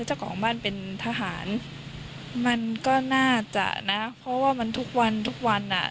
เจ้าของบ้านเป็นทหารมันก็น่าจะนะเพราะว่ามันทุกวันทุกวันอ่ะ